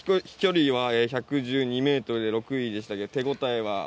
飛距離は１１２ｍで６位でしたけど、手応えは？